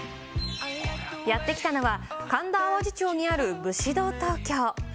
やって来たのは、神田淡路町にある節道トウキョウ。